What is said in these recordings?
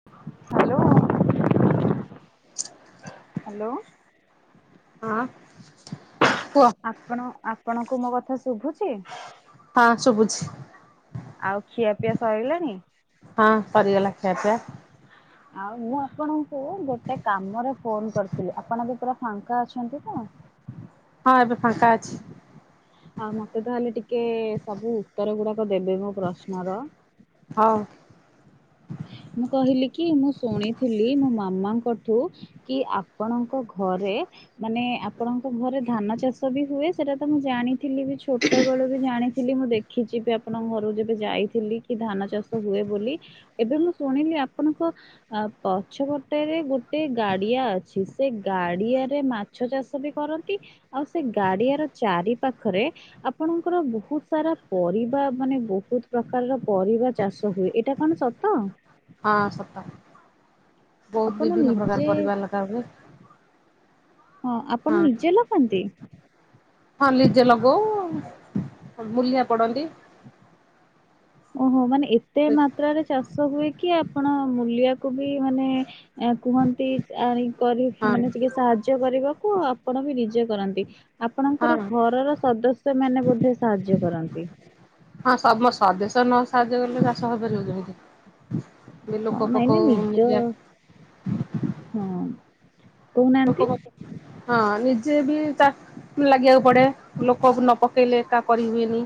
[inaudible] [inaudible] Hello. ହଁ କୁଅ। ଆପଣ ଆପଣଙ୍କୁ ମୋ କଥା ଶୁଭୁଚି। ହଁ ସୁବୁଚି। ଆଉ ଖିଆ ପିଆ ସଇଲାଣି। ହଁ ସରିଗଲା ଖିଆପିଆ। ଆଉ ମୁଁ ଆପଣଙ୍କୁ ଗୋଟେ କାମରେ ଫୋନ କରିଥିଲି ଆପଣ ଏବେ ପୁରା ଫାଙ୍କା ଅଛନ୍ତି ତ। ହଁ ଏବେ ଫାଙ୍କା ଅଛି। ଆଉ ମତେ ତାହେଲେ ଟିକେ ସବୁ ଉତ୍ତର ଗୁଡ଼ାକ ଦେବେ ମୋ ପ୍ରଶ୍ନର। ହଉ। ମୁଁ କହିଲି କି ମୁଁ ଶୁଣିଥିଲି ମୋ ମାମାଙ୍କଠୁ କି ଆପଣଙ୍କ ଘରେ ମାନେ ଆପଣଙ୍କ ଘରେ ଧାନ ଚାଷ ବି ହୁଏ ସେଟା ତ ମୁଁ ଜାଣିଥିଲି ବି ଛୋଟବେଳୁ ବି ଜାଣିଥିଲି ମୁଁ ଦେ ଖିଚି ବି ଆପଣଙ୍କ ଘରୁକୁ ଯେବେ ଯାଇଥିଲି କି ଧାନ ଚାଷ ହୁଏ ବୋଲି। ଏବେ ମୁଁ ଶୁଣିଲି ଆପଣଙ୍କ। ଆ ପଛପଟରେ ଗୋଟେ ଗାଡିଆ ଅଛି ସେ ଗାଡିଆରେ ମା ଛ ଚାଷ ବି କରନ୍ତି ଆଉ ସେ ଗାଡିଆର ଚାରି ପାଖରେ। ଆପଣଙ୍କର ବହୁତ ସାରା ପରିବା ମାନେ ବହୁତ ପ୍ରକାରର ପରିବା ଚାଷ ହୁଏ ଏଇଟା କଣ ସ ତ। ହଁ ସତ ବହୁତ ଆପଣ ବିଭିନ୍ନ ନିଜେ ପ୍ରକାର ପରିବା ଲଗା ହୁଏ। ହଁ ଆପଣ ନିଜେ ଲଗାନ୍ତି। ହଁ ଲିଜେ ଲଗଉ ମୁୂଲିଆ ପଡନ୍ତି। ଓହୋ ମାନେ ଏତେ ହଁ ମାତ୍ରାରେ। ଚାଷ ହୁଏ କି ଆପଣ ମୂଲିଆକୁ ବି ମାନେ କୁହନ୍ତି ଆଣି କରି ହେମାନେ ଜିବେ ସାହାଯ୍ୟ କରିବାକୁ ଆପଣ ବି ନିଜେ କରନ୍ତି। ହଁ ଆପଣଙ୍କର ଘରର ସଦସ୍ୟ ମାନେ ବୋଧେ ସାହାଯ୍ୟ କରନ୍ତି। ହଁ ସମ ସଦଶ୍ୟ ନ ସାହାଯ୍ୟ କଲେ ଚାଷ ହେଇପାରିବ କେମିତି। ବି ଲୋକ ପାଖଉ ମୁଲିଆ। [inaudible] ହୁଁ ଲୋକ ମ ହଁ ନିଜେ ବି ଚା ଲାଗିବାକୁ ପଡେ ଲୋକ ନ ପକେଇଲେ ଏକା କରି ହୁଏନି।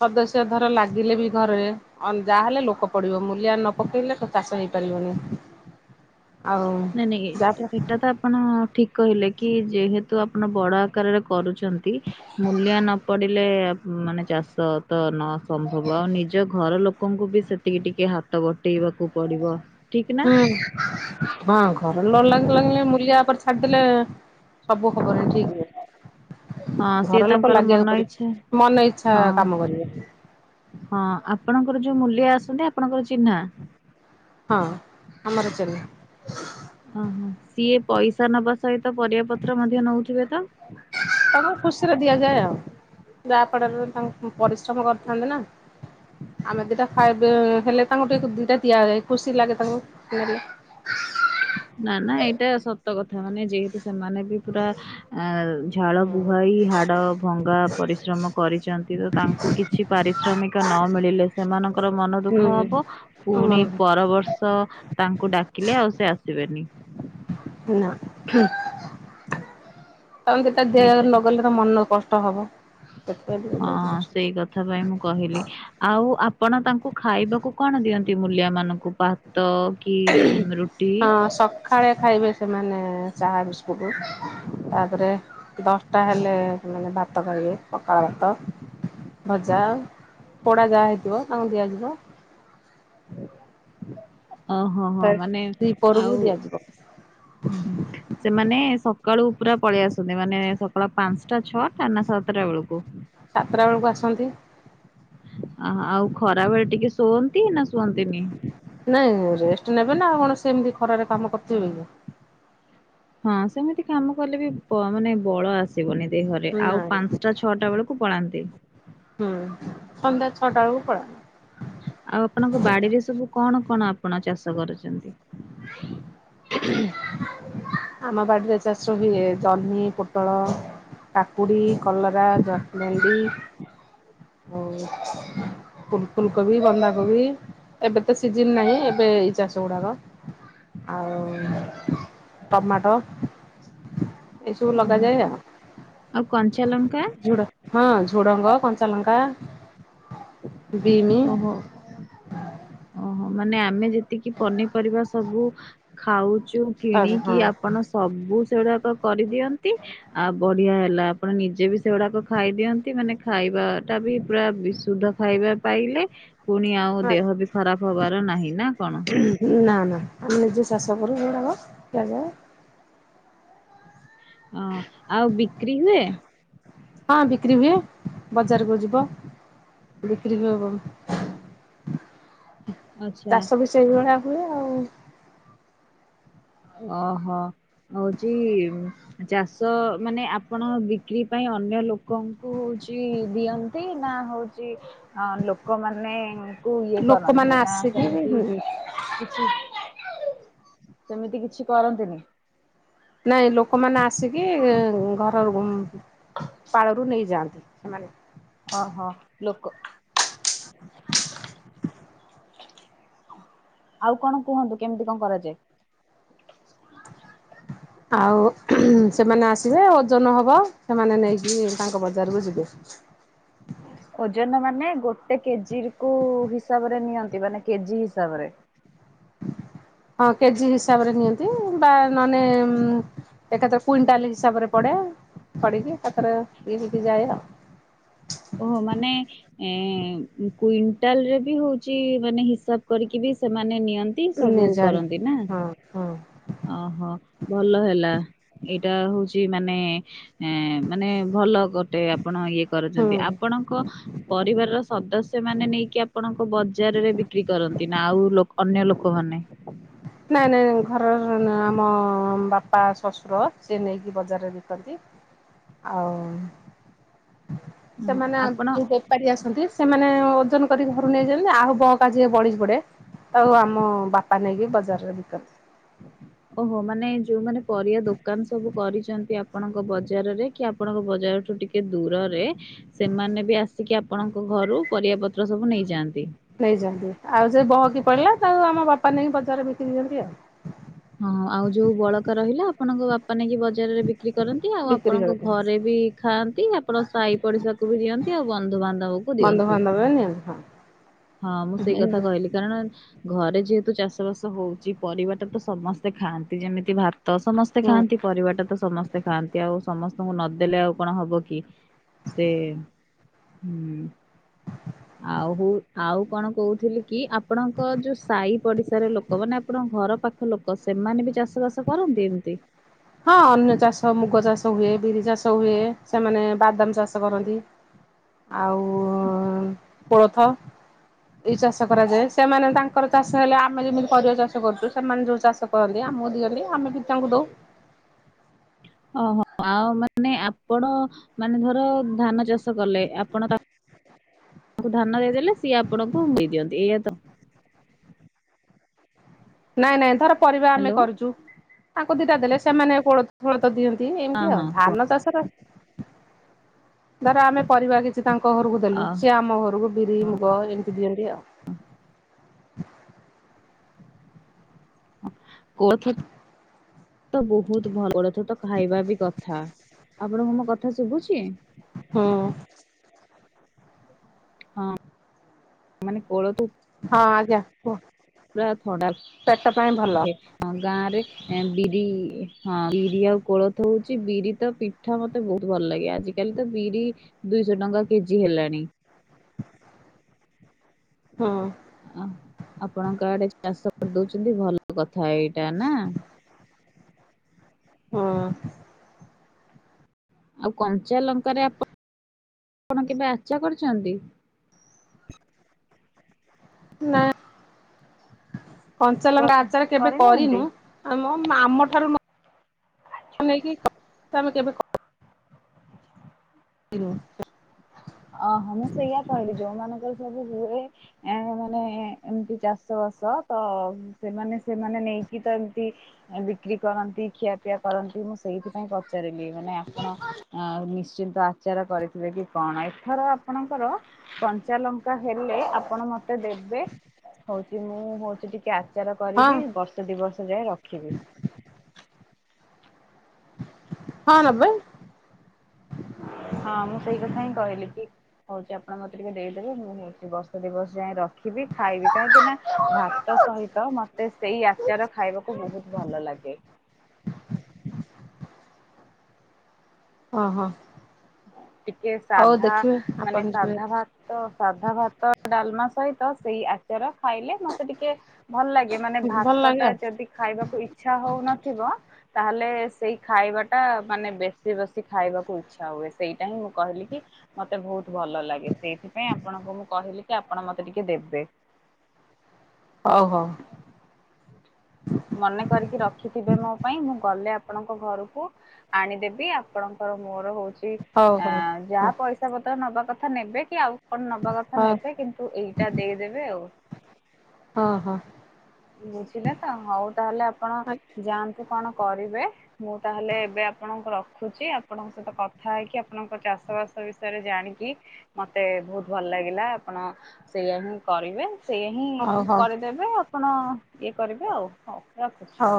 ସଦସ୍ୟ ଧର ଲାଗିଲେ ବି ଘରେ ଅ ଯାହାହଲେ ଲୋକ ପଡିବ ମୂଲିଆ ନ ପକେଇଲେ ତ ଚାଷ ହେଇପାରିବନି। ଆଉ ନାଇଁ ନାଇଁ ଯାହାଫଳ ଏଟା ତ ଆ ଆପଣ ଠିକ କହିଲେ କି ଯେହେତୁ ଆପଣ ବଡ ଆକାରରେ କରୁଚନ୍ତି। ମୂଲିଆ ନ ପଡିଲେ ମାନେ ଚାଷ ତ ନ ସମ୍ଭବ ଆଉ ନିଜ ଘର ଲୋକ ଲୋକଙ୍କୁ ବି ସେତିକି ଟିକେ ହାତ ବଟେଇବାକୁ ପଡିବ ଠିକ ନା। ହୁଁ ହଁ ଘର ଲ ଲାଗ ଲାଗିଲେ ମୁଲିବା ଓପରେ ଛା ଛାଡିଦେଲେ ସବୁ ହବନେଇ ଠିକ୍ ରେ। ହଁ ସିଏ ଘର ଲୋକ ତାଙ୍କର ମନ ଲାଗିବାକୁ ଇଚ୍ଛା ପଡିବ ମନ ଇଚ୍ଛା ହଁ କାମ କରିବେ। ହଁ ଆପଣଙ୍କର ଯୋଉ ମୂଲିଆ ଆସନ୍ତି ଆପଣଙ୍କର ଚିହ୍ନା। ହଁ ଆମର ଚିହ୍ନା। ଓହୋ ସିଏ ପଇସା ନବା ସହିତ ପରିବା ପତ୍ର ମଧ୍ୟ ନଉଥିବେ ତ। ତମକୁ ଖୁସିରେ ଦିଆଯଏ ଆଉ। ଯାହାପଡରେ ତାଙ୍କୁ ପରିଶ୍ରମ କରିଥାନ୍ତି ନା। ଆମେ ଦିଟା ଖାଇବେ ହେଲେ ତାଙ୍କୁ ଟିକେ ଦିଟା ଦିଆଯାଏ ଖୁସି ଲାଗେ ତାଙ୍କୁ ନେଲେ। [inaudible] ନା ନା ଏଇଟା ସତ କଥା ମାନେ ଯେହେତୁ ସେମାନେ ବି ପୁରା ଆ ଝାଳ ହୁଁ ବୁହାଇ ହାଡ଼ ଭଙ୍ଗା ପରିଶ୍ରମ କରିଚନ୍ତି ତ ତାଙ୍କୁ କିଛି ପାରିଶ୍ରମିକ ନ ମିଳିଲେ। ସେମାନଙ୍କର ମନ ଦୁଃଖ ହବ ହୁଁ ପୁଣି ମନ ପରବର୍ଷ ର୍ଷ ତାଙ୍କୁ ଡାକିଲେ ଆଉ ସେ ଆସିବେନି। ନାଁ ହୁଁ [unintelligible] ଦିଆ ଏଇଟା ନଗଲେ ମନ କଷ୍ଟ ହବ। ସେଟାବି ହଁ ସେଇ କଥ ଥା ପାଇଁ ମୁଁ କହିଲି ଆଉ ଆପଣ ତାଙ୍କୁ ଖାଇବାକୁ କଣ ଦିଅନ୍ତି ମୂଲିଆ ମାନଙ୍କୁ ଭା ତ କି ରୁଟି ଖାଳେ ଖାଇବେ ସେମାନେ ଚାହା ବିସ୍କୁଟ୍। ତାପରେ ଦଶଟା ହେଲେ ଭାତ ଖାଇବେ ପଖାଳ ଭାତ। ଭଜା ପୋଡ଼ା ଯାହା ହେଇଥିବ ତାଙ୍କୁ ଦିଆଯିବ। ଓହୋ ହୋ ତାରେ ମାନେ ଦ୍ୱିପହରକୁ ଆଉ ଦିଆଯିବ। ହୁଁ ହୁଁ। ସେମାନେ ସକାଳୁ ପୁରା ପଳେଇ ଆସନ୍ତି ମାନେ ସକାଳ ପାଞ୍ଚଟା ଛଅଟା ନା ସାତଟା ବେଳକୁ? ସାତଟା ବେଳକୁ ଆସନ୍ତି। ଆଁହଁ ଆଉ ଖରା ବେଳେ ଟିକେ ଶୁଅନ୍ତି ନା ଶୁଅନ୍ତିନି? ନାଇଁ ରେଷ୍ଟ ନେବେ ନା ଆଉ କଣ ସେ ଏମିତି ଖରାରେ କାମ କରିଥିବେ କି। ହଁ ସେମିତି କାମ କଲେ ବି ବ ମାନେ ବଳ ଆସ ସିବନି ଦେହରେ କି ଆଉ ନାଇଁ। ପାଞ୍ଚଟା ଛଅଟା ବେଳକୁ ପଳାନ୍ତି। ହୁଁ ସନ୍ଧ୍ୟା ଛଅଟା ବେଳକୁ ପଳା ଆଉ ଆପଣଙ୍କ ବାଡ଼ିରେ ସବୁ କଣ କଣ ଆପଣ ଚାଷ କରିଛନ୍ତି? [unintelligible] ଆମ ବାଡ଼ି ରେ ଚାଷ ହୁଏ ଜହ୍ନି ପୋଟଳ କାକୁଡ଼ୀ କଲରା। [unintelligible] ଓ ଫୁଲ ଫୁଲକୋବି ବନ୍ଧାକୋବି। ଏବେ ତ ସିଜିନ ନାହିଁ ଏବେ ଏଇ ଚାଷ ଗୁଡ଼ାକ। ଆଉ ଟମାଟ। ଏଇସବୁ ଓହୋ ଲଗାଯାଏ ଆଉ ଆଉ କଞ୍ଚା ଲଙ୍କା ଝୁଡ଼ ହଁ ଝୁଡ଼ଙ୍ଗ କଞ୍ଚା ଲଙ୍କା ବିମି। ହୋ ଓହୋ ମାନେ ଆମେ ଯେତିକି ପନିପରିବା ସ ସବୁ ଖାଉଚୁ ହଁ କିଣିକି ହଁ ଆପଣ ସବୁ ସେରାକ କରିଦିଅନ୍ତି। ଆଉ ବଢି଼ଆ ହେଲା ଆପଣ ନିଜେ ବି ସେଗୁଡା଼କ ଖାଇଦିଅନ୍ତୀ ମାନେ ଖାଇବା ଟା ବି ପୁରା ବିସ ଶୁଦ୍ଧ ଖାଇବା ପାଇଲେ ପୁଣି ଆଉ ଦେହ ବି ଖରାପ ହବାର ନାହିଁ ନା କଣ? ନା ନା ଆମେ ନିଜେ ଚାଷ କରୁ ସେଗୁଡ଼ାକ ଖିଆଯାଏ। ହଁ ଆଉ ବିକ୍ରି ହୁଏ? ହଁ ବିକ୍ରି ହୁଏ ବଜାରକୁ ଯିବ। ବିକ୍ରି ହୁଏ ବହୁ [inaudible] ଆଚ୍ଛା ଚାଷ ବି ସେଇଭଳିଆ ହୁଏ ଆଉ। ଓହୋ ହଉଚି ଚାଷ ମାନେ ଆପଣ ବିକ୍ରି ପାଇଁ ଅନ୍ୟ ଲୋକଙ୍କୁ ଚି ଦିଅନ୍ତି ନା ହଉଛି ହଁ ଲୋକମାନେଙ୍କୁ ଇଏ ଲୋକମାନେ କରନ୍ତି ନା ଆସିକି ସେମିତି ବି କିଛି ସେମିତି କିଛି କରନ୍ତିନି। ନାଇଁ ଲୋକମାନେ ଆସିକି ଘର ଉଁ ପାଳରୁ ନେଇଯାଆନ୍ତି ସେମାନେ। ଅ ହ ଲୋକ [inaudible] ଆଉ କଣ କୁହନ୍ତୁ କେମିତି କଣ କରାଯାଏ? ଆଉ ସେମାନେ ଆସିବେ ଓଜନ ହବ ସେମାନେ ନେଇକିରି ତାଙ୍କ ବଜାରକୁ ଯିବେ। ଓଜନ ମାନେ ଗୋଟେ କେଜିର୍ କୁ ହିସାବରେ ନିଅନ୍ତି ମାନେ କେଜି ହିସାବରେ। ହଁ କେଜି ହିସାବରେ ନିଅନ୍ତି ବା ନଅନେ ଏକାଥର କୁଇଣ୍ଟାଲ ହିସାବରେ ପଡ଼େ ପଡି଼କି ଏକାଥରେ ଇଏ ହେଇକି ଯାଏ ଆଉ। ଓହୋ ମାନେ ଏ କୁଇଣ୍ଟାଲ ରେ ବି ହଉଛି ମାନେ ହିସାବ କରିକି ବି ସେମାନେ ନିଅ ନ୍ତି ସବୁ ନେଇଯାଏ କରନ୍ତି ନା? ହଁ ହଁ। ଓହୋ ଭଲ ହେଲା ଏଇଟା ହଉଛି ମାନେ ଏଁ ମାନେ ଭଲ ଗୋଟେ ଆପଣ ଇଏ ହୁଁ। କରୁଛନ୍ତି ଆପଣ ଙ୍କ ପରିବାରର ସଦସ୍ୟ ମାନେ ନେଇକି ଆପଣଙ୍କ ବଜାରରେ ବିକ୍ରି କରନ୍ତି ନା ଆଉ ଲୋ ଅନ୍ୟ ଲୋକମାନେ। ନାଇଁ ନାଇଁ ଘରର ଆମ ବାପା ଶ୍ବଶୁର ସିଏ ନେଇକି ବଜାରରେ ବିକନ୍ତି। ଆଉ ଓହୋ ସେମାନେ ଆଗ ଆପଣ ଯୋଉ ବେ ପାରି ଆସନ୍ତି ସେମାନେ ଓଜନ କରିକି ଘରୁ ନେଇଯାନ୍ତି ଆହୁ ବହକା ଯିଏ ବଳି ପଡେ଼ ଆଉ ଆମ ବାପା ନେଇକି ବଜାରରେ ବିକନ୍ତି। ଓହୋ ମାନେ ଯୋଉମାନେ ପରିବା ଦୋକାନ ସବୁ କରିଛନ୍ତି ଆପ ଆପଣଙ୍କ ବଜାରରେ କି ଆପଣଙ୍କ ବଜାର ଠୁ ଟିକେ ଦୂରରେ। ସେମାନେ ବି ଆସିକି ଆପଣଙ୍କ ଘରୁ ପରିବାପତ୍ର ସବୁ ନେଇଯାଆନ୍ତି। ନେଇଯାନ୍ତି ଆଉ ଯଦି ବହକି ପଡି଼ଲା ତାକୁ ଆମ ବାପା ନେଇକି ବଜାରରେ ବିକିଦିଅନ୍ତି ଆଉ। ହଁ ଆଉ ଯୋଉ ବଳକା ରହିଲା ଆପଣଙ୍କ ବାପା ନେଇକି ବଜାରରେ ବିକ୍ରି କରନ୍ତି। ଆଉ ବିକ୍ରି ଆପଣଙ୍କ କରନ୍ତି ଘରେ ବି ଖାଆନ୍ତି, ଆପଣ ସାହି ପଡି଼ଶାକୁ ବି ଦିଅନ୍ତି ଆଉ ବନ୍ଧୁବାନ୍ଧବକୁ ଦିଅ ବନ୍ଧୁବାନ୍ଧବ ଏ ନିଅନ୍ତି ହଁ। ହଁ ମୁଁ ସେଇ କଥା ହୁଁ। କହିଲି। କାରଣ ଘରେ ଯେହେତୁ ଚାଷ ବାସ ହଉଛି ପରିବାଟା ତ ସ ସମସ୍ତେ ଖାଆନ୍ତି ଯେମିତି ଭାତ ସମସ୍ତେ ଖାଆନ୍ତି ପରିବାଟା ତ ସମ ସେ ଖାଆନ୍ତି ଆଉ ସମସ୍ତଙ୍କୁ ନଦେଲେ ଆଉ କଣ ହବ କି ସେ ହୁଁ। ଆଉହୁ ଆଉ କଣ କହୁଥିଲି କି ଆପଣଙ୍କ ଯୋଉ ସୁ ସାଈ ପଡି଼ଶାର ଲୋକ ମାନେ ଆପଣଙ୍କ ଘର ପାଖ ଲୋକ ସେମାନେ ବି ଚାଷ ବାସ କରନ୍ତି, ଏମତି? ହଁ ଅନ୍ୟ ଚାଷ ମୁଗ ଚାଷ ହୁଏ ବିରି ଚାଷ ହୁଏ ସେମାନେ ବାଦାମ ଚାଷ କରନ୍ତି। ହ ଆଉ ପୋଳଥ। ଏଇ ଚାଷ କରାଯାଏ ସେମାନେ ତାଙ୍କର ଚାଷ ହେଲେ ଆମେ ଯେମିତି ପରିବା ଚାଷ କରୁଛୁ ସେମାନେ ଯୋଉ ଚାଷ କହନ୍ତି ଆମକୁ ଦିଅନ୍ତି ଆମେ ବି ତାଙ୍କୁ ଦଉ। ଓହୋ ଆଉ ମାନେ ଆପଣ ମାନେ ଧର ଧାନ ଚାଷ ଚା କଲେ ଆପଣ ତାଙ୍କୁ ଧାନ ଦେଇଦେଲେ ସିଏ ଆପଣଙ୍କୁ ମି ଦିଅନ୍ତି ଏଇଆ ତ? ନାଇଁ ନାଇଁ ଧର ପରିବା ଆମେ କରୁଛୁ ତାଙ୍କୁ ଦିଟା ଦେଲେ ସେମାନେ କୋଳଥ ଫଳ ତ ଦିଅନ୍ତି ହଁ ଏମିତି ହଁ ଆଉ କୁହ ଧାନ ଚାଷରେ ଧର ଆମେ ପରିବା କିଛି ସେ ତାଙ୍କ ଘରକୁ ଅ ଦେଲୁ ସିଏ ଆମ ଘରକୁ ବିରି ମୁଗ ଏମିତି ଦିଅନ୍ତି ଆଉ। ହଁ କୋଳଥ ତ ବହୁତ ଭଲ କୋଳଥ ଥ ତ ଖାଇବା ବି କଥା ଆପଣଙ୍କୁ ମୋ କଥା ଶୁଭୁଛି? ହଁ। ହଁ ମାନେ କୋଳଥ ହଁ ଆଜ୍ଞା କୁହ? ପୁରା ଥଣ୍ଡା ପେଟ ପାଇଁ ଭଲ ରଖେ ଅ ଗାଁ ରେ ଏ ବିରି ହଁ ବିରି ଆଉ କୋଳଥ ହଉଛି ବିରି ତ ପିଠା ମତେ ବହୁତ ଭଲ ଲାଗେ ଆଜି କାଲି ତ ବିରି ଦୁଇଶହ ଟଙ୍କା କେଜି ହେଲାଣି। ହଁ। ହଁ ଆପଣଙ୍କଆଡେ ଚାଷ କରିଦଉଛନ୍ତି ଭଲ କଥା ଏଇଟା ନା? ହଁ। ଆଉ କଞ୍ଚା ଲଙ୍କାରେ ଆପଣ ଆପଣ କେବେ ଆଛା କରଛନ୍ତି। ନାଇଁ। କଞ୍ଚାଲଙ୍କା କରି ଆଚାର କେବେ କରିନାହାନ୍ତି? କରିନୁ ଆ ଆମଠାରୁ ନେଇକି ତମେ କେବେ କ ହତି। ଓହୋ ମୁଁ ସେଇୟଆ କହିଲି ଯୋଉମାନାନଙ୍କର ସବୁ ହୁଏ ଏ ମାନେ ଏମିତି ଚାଷ ବାସ ତ ସେମାନେ ସେମାନେ ନେଇକି ତ ଏମତି ବିକ୍ରି କରନ୍ତି ଖିଆପିଆ କରନ୍ତି ମୁଁ ସେଇଥିପାଇଁ ପଚାରିଲି ମାନେ ଆପଣ ଅ ନିଶ୍ଚିନ୍ତ ଆଚାର କରିଥିବେ କି କଣ ଥର ଆପଣଙ୍କର କଞ୍ଚା ଲଙ୍କା ହେଲେ ଆପଣ ମତେ ଦେବେ। ହଉଛି ମୁଁ ହଉଛି ଟିକେ ଆଚାର ହଁ କରିବି ବର୍ଷ ଦୁ ବର୍ଷ ଯାଏ ରଖିବି। ହଁ ନେବେ। ହଁ ମୁଁ ସେଇ କଥା ହିଁ କହିଲି କି ହଉଛି ଆପଣ ମତେ ଟିକେ ଦେଇଦେବେ ମୁଁ ହଉଛି ବର୍ଷ ଦିବସ ଯାଇଏ ରଖିବି ଖାଇବି କାହିଁକି ନା ଭାତ ସହିତ ମତେ ସେଇ ଆଚାର ଖାଇବାକୁ ବହୁତ ଭଲ ଲାଗେ। ଓ ହୋ। ଟିକେ ସାଧା ମାନେ ଆପଣ ଯିବେ ସାଧା ଭାତ ତ ସାଧା ଭାତ ଡାଲମା ସହିତ ସେଇ ଆଚାର ଖାଇଲେ ମତେ ଟିକେ ଭଲ ଲାଗେ ମାନେ ଭଲ ଭାତ ଲାଗେ ଟା ଯଦି ଖାଇବାକୁ ଇଚ୍ଛା ହଉନଥିବ ତାହେଲେ ସେଇ ଖାଇବା ଟା ମାନେ ବେଶୀ ବେଶୀ ଖାଇବାକୁ ଇଚ୍ଛା ହୁଏ। ସେଇଟା ହିଁ ମୁଁ କହିଲି କି ମତେ ବହୁତ ଭଲ ଲାଗେ ସେଇଥିପାଇଁ ଆପଣଙ୍କୁ ମୁଁ କହିଲି କି ଆପଣ ମତେ ଟିକେ ଦେବେ। ହଉ ହଉ। ମନେ କରିକି ରଖିଥିବେ ମୋ ପାଇଁ ମୁଁ ଗଲେ ଆପଣଙ୍କ ଘରକୁ ଆଣିଦେବି ଆପଣଙ୍କର ମୋର ହଉଛି ହଉ ହଉ ହଉ ହଉ ଯାହା ପଇସା ବତଳ ନବା କଥା ନେବେ କି ଆଉ କଣ ନବା କଥା ହଉ ନେବେ କିନ୍ତୁ ତୁ ଏଇଟା ଦେଇଦେବେ ଆଉ। ହଁ ହଁ ବୁଝିଲେ ତ ହଉ ତାହେଲେ ଆପଣ ଆଜ୍ଞା। ଯାଆନ୍ତୁ କଣ କରିବେ ମୁଁ ତାହେଲେ ଏବେ ଆପଣଙ୍କୁ ରଖୁଛି ଆପଣଙ୍କ ସହିତ କଥା ହେଇକି ଆପଣଙ୍କ ଚାଷ ବାସ ବିଷୟରେ ଜାଣିକି ମତେ ବହୁତ ଭଲ ଲାଗିଲା ଆପଣ ସେଇଆା ହିଁ କରିବେ ସେ ହିଁ ହଉ ହଉ କରିଦେବେ ଆପଣ ଇଏ କରିବେ ଆଉ ହଉ ରଖୁଛି। ହଉ।